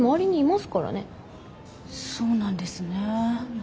そうなんですね。